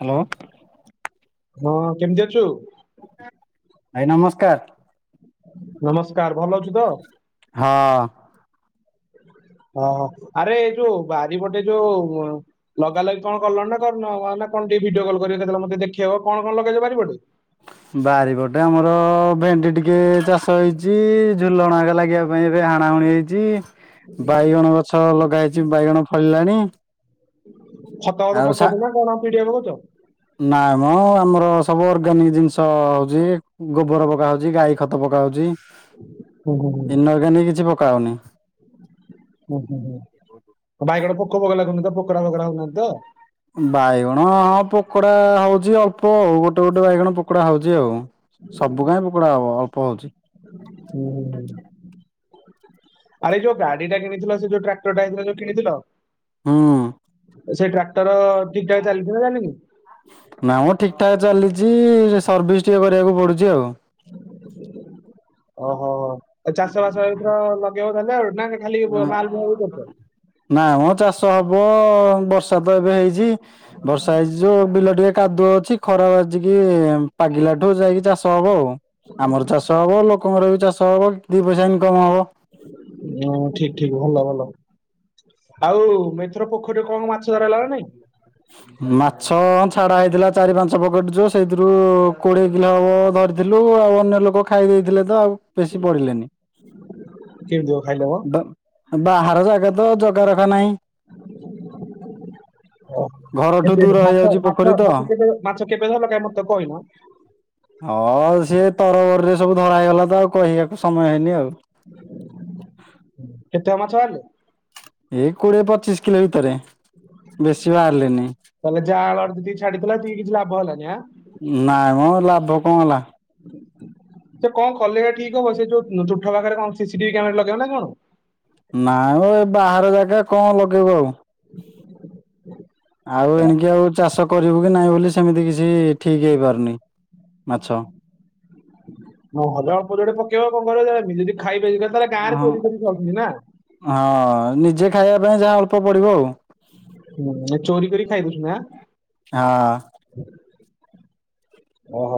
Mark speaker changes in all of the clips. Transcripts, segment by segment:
Speaker 1: Hello.
Speaker 2: ହଁ ହଁ କେମିତି ଅଛୁ?
Speaker 1: ଭାଇ ନମସ୍କାର।
Speaker 2: ନମସ୍କାର ଭଲ ଅଛୁ ତ।
Speaker 1: ହଁ।
Speaker 2: ହଁ ହଁ ଆରେଏଅ ଯୋଉ ବାରିପଟେ ଯୋଉ ଲଗା ଲଗି କଣ କଲଣି ନା କରିନ ନା କଣ ଟିକେ ଭିଡିଓ କଲ୍ କରିକି କେତେବେଳେ ମତେ ଦେଖେଇବ। କଣ କଣ ଲଗେଇଛ ବାରିପଟେ?
Speaker 1: ବାରିପଟେ ଆମର ଭେଣ୍ଡି ଟିକେ ଚାଷ ହେଇଛି ଝୁଲଣ ଏକ ଲାଗିବ ପାଇଁ ଏବେ ହାଣା ହୁଣି ହେଇଛି ବାଇଗଣ ଗଛ ଲଗା ହେଇଛି ବାଇଗଣ ଫଳିଲାଣି।
Speaker 2: ଖତ ଫତ ପକୋଉଛ ନା କଣ ପିଡିଆ ପକଉଛ।
Speaker 1: ନାଇ ମ ଆମର ସବୁ ଅର୍ଗାନିକ ଜିନିଷ ହଉଛି ଗୋବର ପକା ହଉଛି ଗାଈ ଖତ ପକା ହଉଛି
Speaker 2: ହୁଁ ହୁଁ ହୁଁ
Speaker 1: ଇନଆର୍ଗାନିକ କିଛି ପକା ହଉନି।
Speaker 2: ହୁଁ, ହୁଁ, ହୁଁ ବାଇଗଣ ପୋକ ଫୋକ ଲାଗୁନି ତ ପୋକଡ଼ା ଫୋକଡା ହଉନାହାନ୍ତି ତ।
Speaker 1: ବାଇଗଣ ହଁ ପୋକୋଡା ହଉଛି ଅଳ୍ପ ଆଉ ଗୋଟେ ଗୋଟେ ବାଇଗଣ ପୋକୋଡା ହଉଛି ଆଉ। ସବୁ କାହିଁ ପୋକଡା ହବ ଅଳ୍ପ ହୋଉଛି।
Speaker 2: ହୁଁ, ହୁଁ, ହୁଁ ଆରେ ଯୋଉ ଗାଡି ଟା କିଣିଥିଲ ସେ ଯୋଉ ଟ୍ରାର ଟ୍ରାକ୍ଟର ଟାଏ ଯୋଉଁ କିଣିଥିଲ।
Speaker 1: ହୁଁ।
Speaker 2: ସେ ଟ୍ରାକ୍ଟର ଠିକ ଠାକ ଚାଲିଚି ନା ଚାଲିନି?
Speaker 1: ନା ମୁଁ ଠିକ୍ ଠାକ୍ ଚାଲିଛି ସର୍ଭିସ ଟିକେ କରିବାକୁ ପଡୁଛି ଆଉ।
Speaker 2: ଓହୋ ଚାଷ ବାସ ଏଥର ଲଗେଇବ ତାଲେ ଆଉ ନା ଖାଲି ମାଲ ବୁହା ବୁହି କରୁଛ?
Speaker 1: ନାଇମ ଚାଷ ହବ ବର୍ଷା ତ ଏବେ ହେଇଛି। ବର୍ଷା ହେଇଚି ଯୋଉ ବିଲ ଟିକେ କାଦୁଅ ଅଛି ଖରା ବାଜିିକି ପାଗିଲା ଠୁ ଯାଇକି ଚାଷ ହବ ଆଉ। ଆମର ଚାଷ ହବ ଲୋକଙ୍କର ବି ଚାଷ ହବ ଦି ପଇସା ଇନକମ ହବ।
Speaker 2: ହୁଁ ଠିକ୍ ଠିକ୍ ଭଲ ଭଲ ଆଉ ମି ଏଥର ପୋଖରୀରେ କମ ମାଛ ଧରାହେଲା ନା ନାହିଁ।
Speaker 1: ମାଛ ଛାଡା ହେଇଥିଲା ଚାରି ପାଞ୍ଚ ପକେଟ ଯୋଉ ସେଇଥିରୁ କୋଡିଏ କିଲୋ ହବ ଧରି ଧରିଥିଲୁ ଆଉ ଅନ୍ୟ ଲୋକ ଖାଇ ଦେଇଥିଲେ ତ ଆଉ। ବେଶୀ ବଢିଲେନି
Speaker 2: କେମିତି କଣ ଖାଇଲ ମ?
Speaker 1: ବା ବାହାର ଜାଗା ତ ଜଗା ରଖା ନାହିଁ। ଘରଠୁ
Speaker 2: ଏବେ
Speaker 1: ଦୂର
Speaker 2: ମାଛ
Speaker 1: ହେଇଯାଉଛି ପୋଖରୀ
Speaker 2: ମାଛ
Speaker 1: ତ।
Speaker 2: ମାଛ କେବଳ ମାଛ କେବେ ଧରିଲ କାଇଁ ମତେ ତ କହିିନ।
Speaker 1: ହଁ ସିଏ ତରବରରେ ସବୁ ଧରା ହେଇଗଲା ତ ଆଉ କହିବାକୁ ସମୟ ହେଇନି ଆଉ।
Speaker 2: କେତେହବ ମାଛ ବାହାରିଲେ।
Speaker 1: ଏଇ କୋଡିଏ ପଚିଶ କିଲୋ ଭିତରେ। ବେଶୀ ବାହାରିଲେନି
Speaker 2: ତାହେଲେ ଯାଆଁଳ ଯେତିକି ଛାଡିଥିଲ ସେତିକି କିଛି ଲାଭ ହେଲାନି ଆଁ।
Speaker 1: ନାଇଁ ମ ଲାଭ କଣ ହେଲା।
Speaker 2: ଯେ କଣ କଲେ ଏଇଟା ଠିକ୍ ହବ ସେ ଯୋଉ ତୁଠ ପାଖରେ କଣ ସିସିଟିଭି କ୍ୟାମେରା ଲଗେଇବ ନା କଣ।
Speaker 1: ନାଇଁମ ଏ ବାହାର ଜାଗା କଣ ଲଗେଇବ ଆଉ। ଆଉ ଏଣିକି ଆଉ ଚାଷ କରିବୁ କି ନାହିଁ ବୋଲି ସେମିତି କିଛି ଠିକ୍ ହେଇପାରୁନି ମାଛ।
Speaker 2: ନହେଲେ ଅଳ୍ପ ଯୋଡେ ପକେଇବ କଣ କରିବ ଯଦି ଖାଇବେ ତାହେଲେ ଗାଁରେ
Speaker 1: ହଁ
Speaker 2: ଚୋରି କରି ଖାଉଛନ୍ତି ନାଁ।
Speaker 1: ହଁ ନିଜେ ଖାଇବା ପାଇଁ ଯାହା ଅଳ୍ପ ପଡିବ ଆଉ।
Speaker 2: ଚୋରି କରି ଖାଇ ଦୋଉଚୁ ନାଁ।
Speaker 1: ହଁ।
Speaker 2: ଓହୋ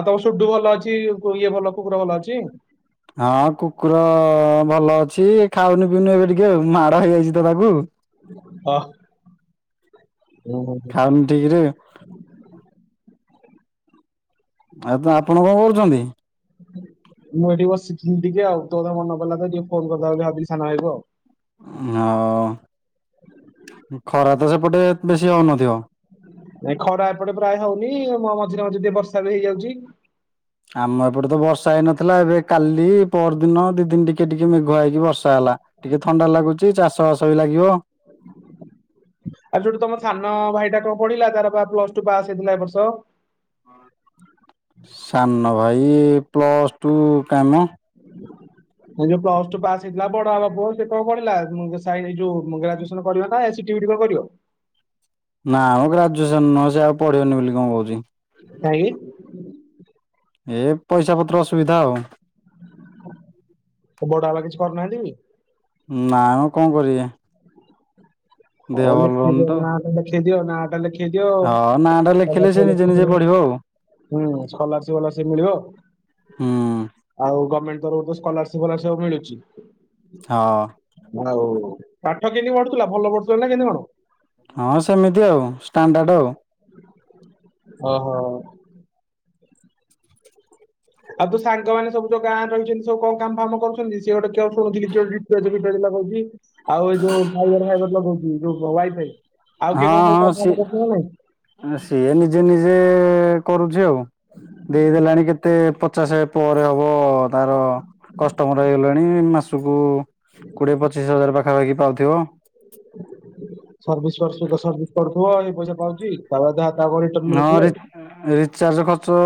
Speaker 2: ଆଉ ତମ ସୁୁଠୁ ଭଲ ଅଛି ଇଏ ଭଲ କୁକୁର ଭଲ ଅଛି।
Speaker 1: ହଁ କୁକୁର ଭଲ ଅଛି ଖାଉନି ପିଉନି ଏବେ ଟିକେ ଆଉ ମାଡ ହେଇଯାଇଚି ତ ତାକୁ।
Speaker 2: ଅ
Speaker 1: ଟିରେ ଆ ତ ଆପଣ କଣ କରୁଚନ୍ତି?
Speaker 2: ମୁଁ ଏଠି ବିଶିଥିଲି ଟିକେ ଆଉ ତୋ କଥା ମନେ ପଇଲା ତ ଟିକେ ଫୋନ୍ କରିଦବା ଭାବିଲି ସାନ ଭାଇକୁ ଆଉ।
Speaker 1: ହଉ ଖରା ତ ସେପଟେ ବେଶୀ ହୋଉନଥିବ?
Speaker 2: ନାଇଁ ଖରା ଏପଟେ ପ୍ରାୟେ ହୋଉନି ମୋ ମଝିରେ ମଝିରେ ଟିକେ ବର୍ଷା ବି ହେଇଯାଉଚି।
Speaker 1: ଆମ ଏପଟେ ତ ବର୍ଷା ହେଇନଥିଲା ଏବେ କାଲି ପର ଦିନ ଦି ଦିନ ଟିକେ ଟିକେ ମେଘୁଆ ହେଇକି ବର୍ଷା ହେଲା। ଟିକେ ଥଣ୍ଡା ଲାଗୁଚି ଚାଷ ବାସ ବି ଲାଗିବ।
Speaker 2: ଆଉ ସୁଟୁ ତମ ସାନ ଭାଇଟା କଣ ପଢିଲା ତାର ବା ପ୍ଲସ ଟୁ ପାସ୍ ହେଇଥିଲା ଏ ବର୍ଷ?
Speaker 1: ସାନ ଭାଇ ପ୍ଲସ୍ ଟୁ କାଇଁମ।
Speaker 2: ଯୋଉ ପ୍ଲସ ଟୁ ପାସ୍ ହେଇଥିଲା ବଡବାବା ପୁଅ ସେ କଣ ପଢିଲା ସାଇରେ ଯୋଉ ଗ୍ରାଜୁଏସନ କରିବା ନାଁ ଏ ସିଟି ଫିଟି କଣ କରିବ।
Speaker 1: ନାଁ ମ ଗ୍ରାଜୁଏସନ ନୁହଁ ସେ ଆଉ ପଢିବନି ବୋଲି କଣ କହୁଚି।
Speaker 2: କାହିଁକି?
Speaker 1: ଏ ପଇସା ପତ୍ର ଅସୁବିଧା ଆଉ।
Speaker 2: ତୋ ବଡ ବାପା କିଛି କରୁନାହାଁନ୍ତି କି?
Speaker 1: ନାଁ କୁ କଣ କରିବେ? ଦେହ
Speaker 2: ହଉ
Speaker 1: ଭଲ ରହୁନି
Speaker 2: ଲଖିଦିଅ
Speaker 1: ତ।
Speaker 2: ନାଁ ଟା ଲେଖେଇଦିଅ। ନାଁ ଟା ଲେଖେ
Speaker 1: ହଁ ନାଁ ଟା
Speaker 2: ଖେଇଦିଅ
Speaker 1: ଲେଖିଲେ ସେ ନିଜେ ନିଜେ ପଢିବ
Speaker 2: [unintelligible]
Speaker 1: ଆଉ
Speaker 2: ହୁଁ, ସ୍କଲାରସିପ୍ ଫଲରସି ମିଳିବ।
Speaker 1: ହୁଁ
Speaker 2: ଆଉ ଗର୍ମେଣ୍ଟ ତରଫରୁ ସ୍କଲାରସିପ୍ ଫଲାରସିପ୍ ସବୁ ମିଳୁଚି।
Speaker 1: ହଁ।
Speaker 2: ପାଠ କେମିତି ପଢୁଥିଲା ଭଲ ପଢୁ
Speaker 1: ହଁ ସେମିତି ଆଉ ଷ୍ଟାଣ୍ଡାର୍ଡ ଆଉ।
Speaker 2: ଓହୋ। ଆଉ ତୋ ସାଙ୍ଗମାନେ ସବୁ ଯୋଉ ଗାଁରେ ରହିଛନ୍ତି ସବୁ କଣ କାମ ଫାମ କରୁଛନ୍ତି। ସେ ଗୋଟେ ଜବ୍ କରୁଛି ନିଜ [unintelligible] ଆଉ ଏଇ ଯୋଉ ଫାଇବଡ ଫାଇବଡ ଲଗଉଚି ଯୋଉ ୱାଇଫାଇ ଆଉ କିଏ କଣ ସବୁ କାମ ଫାମ କରୁଛନ୍ତି ନା ନାଇଁ?
Speaker 1: ନା ସିଏ ନିଜେ ନିଜେ କରୁଛି ଆଉ। ଦେଇଦେଲାଣି କେତେ ପଚାଶ ପରେ ହବ ତାର କଷ୍ଟମର୍ ହେଇଗଲେଣି ମାସକୁ କୋଡିଏ ପଚିଶ ହଜାର ପାଖାପାଖି ପାଉଥିବ।
Speaker 2: ସର୍ଭିସ୍ କର ସର୍ଭିସ୍ କରୁଥିବ ଏଇ ପଇସା ପାଉଚି ତା ବାଦେ ହା
Speaker 1: ହଁ ରି- ରିଚାର୍ଜ ଖର୍ଚ୍ଚ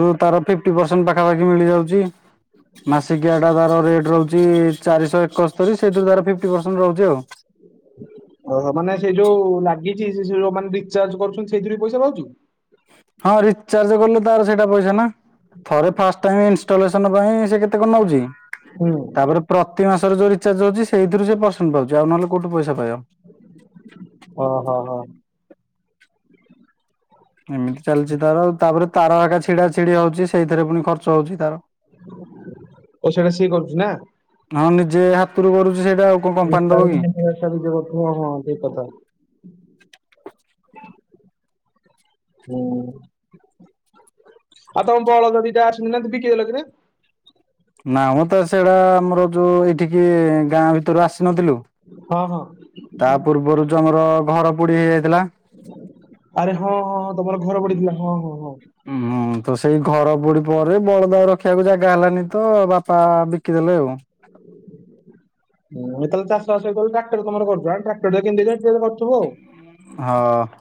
Speaker 1: ରୁ ତାର ଫିପ୍ଟି ପରସେଣ୍ଟ ପାଖାପାଖି ମିଳିଯାଉଚି। ମାସିକିଆଟା ତାର ରେଟ୍ ରହୁଛି ଚାରିଶହ ଏକସ୍ତରୀ ସେଇଥିରୁ ତାର ଫିପ୍ଟି ପରସେଣ୍ଟ ରହୁଚି ଆଉ।
Speaker 2: ଓହୋ, ମାନେ ସେଇ ଯୋଉ ଲାଗିଛି ସେ ଯୋଉ ମାନ ରିଚାର୍ଜ କରୁଛନ୍ତି ସେଇଥିରୁ ବି ପଇସା ପାଉଚୁ?
Speaker 1: ହଁ ରିଚାର୍ଜ କଲେ ତାର ସେଇଟା ପଇସା ନା। ଥରେ ଫାଷ୍ଟ ଟାଇମ୍ ଇନଷ୍ଟଲେସନ ପାଇଁ ସେ କେତେ କଣ ନଉଚି।
Speaker 2: ହୁଁ।
Speaker 1: ତାପରେ ପ୍ରତି ମାସରେ ଯୋଉ ରିଚାର୍ଜ ହଉଚି ସେଇଥିରୁ ସେ ପସେଣ୍ଟ ପାଉଚି। ଆଉ ନହେଲେ କୋଉଠୁ ପଇସା ପାଇବ?
Speaker 2: ଓ ହୋ ହୋ।
Speaker 1: ଏମିତି ଚାଲିଛି ତାର ଆଉ ତାପରେ ତାର ଏକା ଛିଡା ଛିଡି ହଉଛି ସେଇଥିରେ ପୁଣି ଖର୍ଚ୍ଚ ହଉଛି ତାର।
Speaker 2: ଓ ସେଇଟା ସିଏ କରୁଚି ନା?
Speaker 1: ହଁ ନିଜେ ହାତରୁ କରୁଚି ସେଇଟା ଆଉ। କଣ କମ୍ପାନୀ ଦବ କି?
Speaker 2: [unintelligible] ହଁ ହଁ ଠିକ କଥା। ହୁଁ। ଆଉ ତୋମ ବଳଦ ଦିଟା ଆସି ନା ତ ବିକି ଦେଲ କି ନା?
Speaker 1: ନା ମୁଁ ତ ସେଇଟା ଆମର ଯୋଉ ଏଇଠିକି ଗାଁ ଭିତରୁ ଆସିନଥିଲୁ।
Speaker 2: ହଁ, ହଁ।
Speaker 1: ତା ପୂର୍ବରୁ ତ ଆମର ଘର ବୁଡି ହେଇଯାଇଥିଲା।
Speaker 2: ଆରେ ହଁ, ହଁ, ହଁ ତୋମର ଘର ବୁଡିିଥିଲା ହଁ, ହଁ, ହଁ।
Speaker 1: ହୁଁ ତ ସେଇ ଘର ବୁଡି ପରେ ବଳଦ ଆଉ ରଖିବାକୁ ଜାଗା ହେଲାନି ତ ବାପା ବିକିଦେଲେ ଆଉ।
Speaker 2: [unintelligible] ଯେତେବେଳେ ଚାଷବାସ ଯତେଳେ ଟ୍ରାକ୍ଟର୍ ତୋମର କରୁଚ ଆଁ ଟ୍ରାକ୍ [unintelligible] କେମତି ଟ୍ରାକ୍ଟର କରିଥୁବ।
Speaker 1: ହଁ।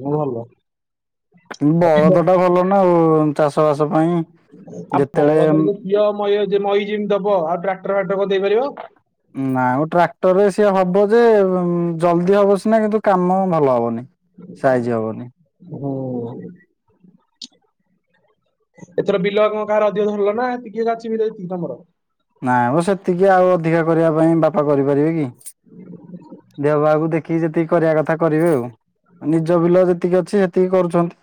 Speaker 2: ଭଲ। ଆଉ
Speaker 1: ବଳଦ ଟା
Speaker 2: ବିଲ-
Speaker 1: ଭଲ ନା ଆଉ ଚାଷ ବାସ ପାଇଁ।
Speaker 2: ଆଉ
Speaker 1: ଯେତେବେଳେ
Speaker 2: ବଳଦ ର ଯୋଉ [unintelligible] ମଇଅ ଯ- ମଇ ଯେମିତି ଦବ ଆଉ ଟ୍ରାକ୍ଟର୍ ଫାକ୍ଟର କଣ ଦେଇ ପାରିବ?
Speaker 1: ନା ଆଉ ଟ୍ରାକ୍ଟର୍ ରେ ସିଏ ହବ ଯେ ଉଁ, ଜଲଦି ହବ ସିନା କିନ୍ତୁ କାମ ଭଲ ହବନି ସାହାଯ୍ୟ ହବନି।
Speaker 2: ହଁ। ଏଥର ବିଲ କ- କାହାର ଅଧିକ ଧରିଲ ନା? ଟିକିଏ ବାଛିବି ଯାଇକି ତୋମର।
Speaker 1: ନାଇଁ ମୋ ସେତିକି ଆଉ ଅଧିକା କରିବା ପାଇଁ ବାପା କରିପାରିବେ କି? ଦେହ ପାହା କୁ ଦେ କିଏ ଯେତିକି କରିଆ କଥା କରିବେ ଆଉ ନିଜ ବିଲ ଯେତିକି ଅଛି ସେତିକି କରୁଚନ୍ତି।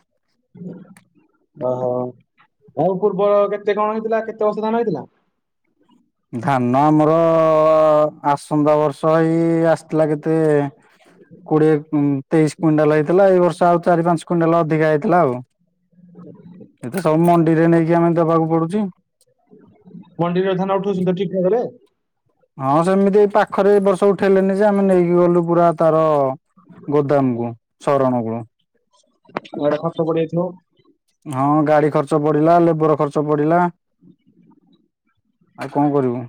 Speaker 2: ଓହୋ ତମ ପୂର୍ବ କେତେ କଣ ହେଇଥିଲା କେତେ ବର୍ଷ ଧାନ ହେଇଥିଲା?
Speaker 1: ଧାନ ଆମର ଆସନ୍ତା ବର୍ଷ ଏଇ ଆସିଥିଲା କେତେ କୋଡିଏ ତେଇଶି କୁଇଣ୍ଟାଲ ହେଇଥିଲା ଏଇ ବର୍ଷ ଆଉ ଚାରି ପାଞ୍ଚ କୁଇଣ୍ଟାଲ ଅଧିକା ହେଇଥିଲା ଆଉ। ଏତେ ସବୁ ମଣ୍ଡିରେ ନେଇକି ଆମେ ଦବାକୁ ପଡୁଚି।
Speaker 2: ମଣ୍ଡିରେ ଧାନ ଉଠଉଛନ୍ତି ତ ଠିକ୍ ଠାକ୍ ରେ?
Speaker 1: ହଁ ସେମିତି ଏଇ ପାଖରେ ଏ ବର୍ଷ ଉଠେଇଲେନି ଯେ ଆମେ ନେଇକି ଗଲୁ ପୁରା ତାର ଗୋଦାମ କୁ ଶରଣ କୁଳ।
Speaker 2: ଗୁଡାଏ ଖର୍ଚ୍ଚ ପଡିଯାଇଥିବ?
Speaker 1: ହଁ ଗାଡି ଖର୍ଚ୍ଚ ପଡିଲା ଲେବର ଖର୍ଚ୍ଚ ପଡିଲା।
Speaker 2: [unintelligible]
Speaker 1: ଆଉ କଣ କରିବୁ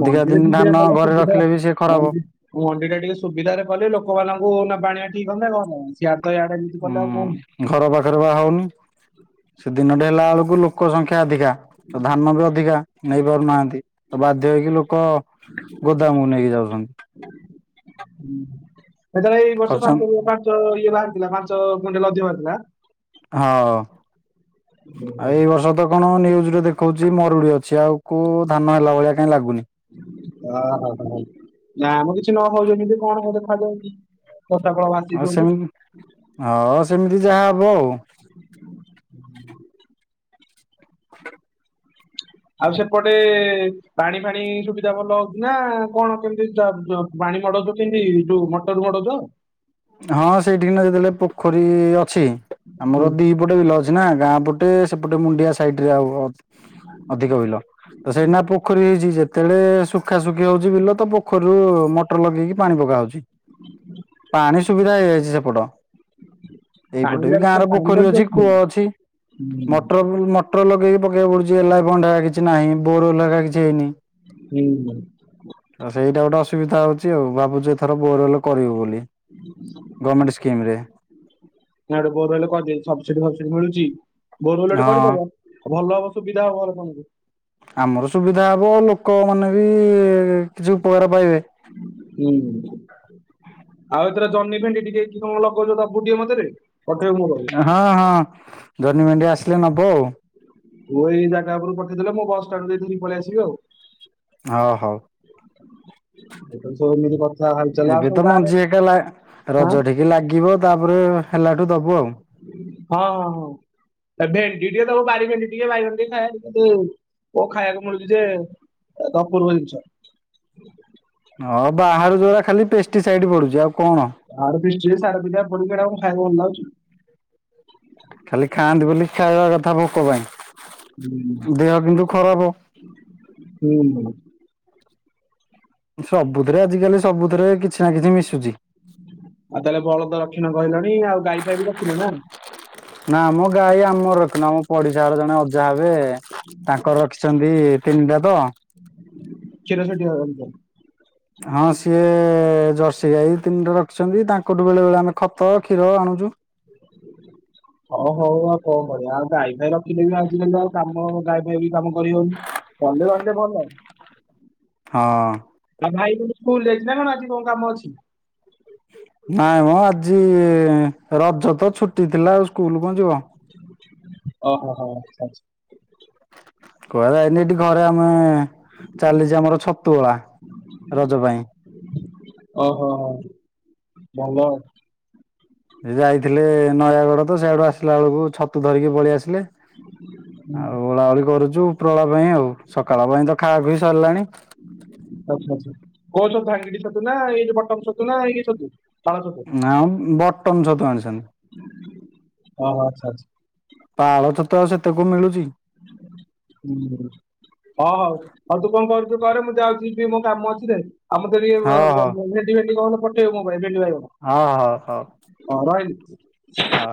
Speaker 1: ଅଧିକା
Speaker 2: ମଣ୍ଡିରେ
Speaker 1: ଦିନି
Speaker 2: ବିକିଲେ
Speaker 1: ଧାନ
Speaker 2: ଭଲ
Speaker 1: ଘରେ
Speaker 2: ସୁବିଧା
Speaker 1: ରଖିଲେ ବି ସେ ଖରାପ।
Speaker 2: ମଣ୍ଡି ଟା ଟିକେ ସୁବିଧାାରେ କଲେ ଲୋକମାନଙ୍କୁ ନବା ଆଣିଆ ଠିକ୍ ହୁଅନ୍ତା ଭଲ ସିଆଡେ ତ ଆଇଡେ ଗଲେ ଆଉ କନ୍?
Speaker 1: ଉଁ ଘର ପାଖରେ ବାହା ହଉନି ସେ ଦିନଟି ହେଲା ବେଳକୁ ଲୋକ ସଂଖ୍ୟା ଅଧିକା। ତ ଧାନ ବି ଅଧିକା ନେଇ ପାରୁନାହାନ୍ତି ତ ବାଧ୍ୟ ହେଇକି ଲୋକ ଗୋଦାମକୁ ନେଇକି ଯାଉଚନ୍ତି।
Speaker 2: ସେତେବେଳେ ଏଇ ବର୍ଷ
Speaker 1: ଖର୍ଚ୍ଚ
Speaker 2: ପାର୍ କରିଗଲା। ଇଏ ବାହାରିଥିଲା ପାଞ୍ଚ କୁଇଣ୍ଟାଲ ଅଧିକ ବାହାରିଥିଲା।
Speaker 1: ହ।
Speaker 2: ହୁଁ
Speaker 1: ଆଉ ଏଇ ବର୍ଷ ତ କଣ ନିନ୍ୟୁଜରେ ଦେଖଉଚି ମରୁଡି ଅଛି ଆଉ କୋଉ ଧାନ ହେଲା ଭଳିଆ କାଇଁ ଲାଗୁନି।
Speaker 2: ଓହ ହ ନା ମ କିଛି ନ ହଉଚି ଏତେ କଣ ହବ ଦେଖାଯାଉ। କଟ କଣ
Speaker 1: ଆଉ ସେମିତି ହ ସେମିତି ଯାହା ହବ ଆଉ।
Speaker 2: ଆଉ ସେପଟେ ପାଣି ଫାଣି ସୁବିଧା ଭଲ ହଉଚି ନା କଣ କେମିତି ପାଣି ଚ ପାଣି ମାଡ କରୁଚନ୍ତି। ଯୋଉ ମଟ୍ ମଟର ମଡଉଚ?
Speaker 1: ହଁ ସେଇଠି କିନା ଯେତେବେଳେ ପୋଖରୀ ଅଛି ଆମର ଦି ଦି ପଟେ ବିଲ ଅଛି ନା ଗାଁ ପଟେ ସେପଟେ ମୁଣ୍ଡିଆ ସାଇଟି ରେ ଆଉ ଘର ଅଧିକ ବିଲ। ତ ସେଇନା ପୋଖରୀ ହେଇଚି ଯେ ଯେତେତେଳେ ଶୁଖା ଶୁଖି ହଉଚି ବିଲ ତ ପୋଖରୀରୁ ମଟର ଲଗେଇକି ପାଣି ପକାହଉଚି। ପାଣି ସୁବିଧା ହେଇଯାଇଚି ସେପଟ।
Speaker 2: ପାଣି
Speaker 1: ଏଇପଟେ ବି ଗାଁର
Speaker 2: ପାଣି
Speaker 1: ପୋଖରୀ
Speaker 2: ଦରକାର
Speaker 1: ଅଛି କୂଅ ଅଛି
Speaker 2: ହୁଁ
Speaker 1: ମଟର ବୁ ମଟ୍ ମଟର ଲଗେଇକି ପକେଇବାକୁ ପଡୁଛି ଏଲାବଣ୍ଡ କିଛି ନାହିଁ ବୋରଲ୍ ଏରା କିଛି ହେଇନି।
Speaker 2: ହୁଁ ଉଁ।
Speaker 1: ଆଉ ସେଇଟା ଗୋଟେ ଅସୁବିଧା ହଉଚି ଆଉ ଭାବୁଚୁ ଏଥର ବୋର୍ ଏଲେ କରିବୁ ବୋଲି।
Speaker 2: [unintelligible]
Speaker 1: ଗ୍ରମେଣ୍ଟ ସ୍କିମ୍ ରେ।
Speaker 2: କୁଆଡୁ କୁଆଡୁ ହେଲେ କରିଦେ ସବ୍ସିଡି ଫବ୍ସିଡି ମିଳୁଚି ବୋରୱୈଲ ଗୋଟେ
Speaker 1: ହଁ
Speaker 2: କରିଦବ। ଭଲ ହବ ସୁବିଧା ହବ ହେଲେ ତମକୁ।
Speaker 1: ଆମର ସୁବିଧା ହେବ ଲୋକମାନେ ବି କିଛି ଉପକାର ପାଇବେ।
Speaker 2: ହୁଁ। ଆଉ ଏଥର ଜନ୍ହି ଭେଣ୍ଡି ଟିକେ କି କଣ ଲଗଉଚ ତାକୁୁ ଟିକେ ଦବୁ ମତେରେ ପଠେଇବୁ ମୋ ପାଆକୁ।
Speaker 1: ହଁ ହଁ ଜହ୍ନି ଭେଣ୍ଡି ଆସିଲେ ନବ ଆଉ।
Speaker 2: ତୁ ଏଇ ଜାଗା ଉପରୁ ପଠେଇଦେଲେ ମୁଁ ବସ୍ ଷ୍ଟାଣ୍ଡ ଦେଇଥିରି ପଳେଇ ଆସିବି ଆଉ।
Speaker 1: ହ ହଉ।
Speaker 2: ଏସବୁ ସେମିତି କରୁ [unintelligible]
Speaker 1: ଏବେତ ମଞ୍ଜି ଏକା ଲା
Speaker 2: ହଁ
Speaker 1: ରଜ ଠିକି ଲାଗିବ ତାପରେ ହେଲାଠୁ ଦବୁ ଆଉ।
Speaker 2: ହଁ ହଁ ହଉ। ଅଁ ଭେଣ୍ଡି ଟିକେ ଦବୁ ବାରି ଭେଣ୍ଡି ଟିକେ ବାଇଗଣ ଟିକେ ଖାଇବା କୋଉ ଖାଇବାକୁ ମିଳୁଚିଯେ ଅପୂର୍ବ ଜିନିଷ।
Speaker 1: ହଁ ବାହାରୁ ଯୋଉରା ଖାଲି ପେଷ୍ଟିସାଇଡ ପଡ଼ୁଚି ଆଉ କଣ।
Speaker 2: ଆଡ଼େ ପିଷ୍ଟି ସାର ଦିଟା ପଡ଼ିକି ଟାକୁ ଖାଇବାକୁ ଭଲ ଲାଗୁଚି।
Speaker 1: [inaudible] ଖାଲି ଖାଆନ୍ତି ବୋଲି ଖାଇବା କଥା ଭୋକ ପାଇଁ।
Speaker 2: ହୁଁ
Speaker 1: ଦେହ କିନ୍ତୁ ଖରାପ।
Speaker 2: ହୁଁ ହୁ।
Speaker 1: ସବୁଥିରେ ଆଜିିକାଲି ସବୁଥିରେ କିଛିନା କିଛି ମିଶୁଛି।
Speaker 2: ଆଉ ତାହେଲେ ବଳଦ ରଖିଲ କହିଲଣି ଆଉ ଗାଈ ଫାଇବି ରଖିନନା?
Speaker 1: ନା ମୋ ଗାଈ ଆମର ରଖିନୁ ଆମ ପଡ଼ିଶା ଘର ଜଣେ ଅଜା ହେବେ ତାଙ୍କର ରଖିଚନ୍ତି ତିନିଟାତ
Speaker 2: କ୍ଷୀର ସେଠି ଦବାକୁ ଯାଉ।
Speaker 1: ହଁ ସିଏ ଜର୍ସି ଗାଈ ତିନିଟା ରଖିଛନ୍ତି ତାଙ୍କଠୁ ବେଳେ ବେଳେ ଆମେ ଖତ କ୍ଷୀର ଆଣୁଚୁ।
Speaker 2: [inaudible] ଅଁ ହଉ ହଉ ଆଉ କଣ କରିବା ଆଉ ଗାଈ ଫାଇ ରଖିଲେବି ଆଜିକାଲି ଆଉ କାମ ଗାଈ ଫାଇବି କାମ କରିହଉନି। ଷଣ୍ଢ ରହିଲେ ଭଲ?
Speaker 1: ହଁ
Speaker 2: ଆଉ ଭାଇତୁ ସ୍କୁଲ ଯାଇଚିନା କଣ ଆଜି କଣ କାମ ଅଛି?
Speaker 1: ନାଇଁ ମୋ ଆଜି ରଜତ ଛୁଟି ଥିଲା ଆଉ ସ୍କୁଲ୍ କଁ ଯିବ।
Speaker 2: ଓହୋ ହୋ ଆଚ୍ଛା।
Speaker 1: କୁଆଡ଼େ ଯାଇନି ଏଠି ଘରେ ଆମେ ଚାଲିଚି ଆମର ଛତୁଆ ରଜ ପାଇଁ।
Speaker 2: ଓହୋ ହୋ ଭଲ।
Speaker 1: ଯାଇଥିଲେ ନୟାଗଡ଼ତ ସେଇଆଡ଼ୁ ଆସିଲା ବେଳକୁ ଛତୁ ଧରିକି ପଳେଇଆସିଲେ
Speaker 2: ହୁଁ
Speaker 1: ଆଉ ଗୋଳାଗୋଳି କରୁଚୁ ପ୍ରଳପାଇଁ ଆଉ ସକାଳ ପାଇଁତ ଖାଅଖୁଉ ସାରିଲାଣି
Speaker 2: ଆଚ୍ଛା ଆଚ୍ଛା କୋଉ ଛତୁ ଭାଙ୍ଗିଡ଼ି ଛତୁନା ଏଇ ବଟନ୍ ଛତୁନା ଏଇ ଛତୁ? ପାଳ ଛତୁ?
Speaker 1: ନା ବଟନ୍ ଛତୁ ଆଣିଛନ୍ତି।
Speaker 2: ଓହୋ ଆଚ୍ଛା ଆଚ୍ଛା।
Speaker 1: ପାଳ ଛତୁ ଆଉ ସେତେ କଉ ମିଳୁଚି।
Speaker 2: ହୁଁ। ହଁ ହଉ ଆଉତୁ କଣ କରୁଚୁ କରେ ମୁଁ ଯାଉଚି ଯିବି ମୋରକାମ ଅଛିରେ? ଆ ମତେ ଟିକେ
Speaker 1: ହଉ ହଉ
Speaker 2: ଭେଣ୍ଡି ଭେଣ୍ଡି କଣ ପଠେଇବୁ ମୋପାଇଁ ଭେଣ୍ଡି ବାଇଗଣ?
Speaker 1: ହଁ ହଉ ହଉ।
Speaker 2: ହୁ ରହିଲି।
Speaker 1: ହଁ।